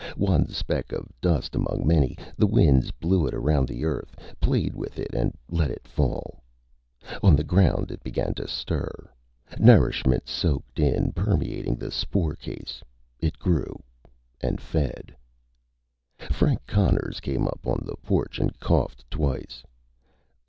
One speck of dust among many, the winds blew it around the Earth, played with it, and let it fall. On the ground, it began to stir. Nourishment soaked in, permeating the spore case. It grew and fed. Frank Conners came up on the porch and coughed twice.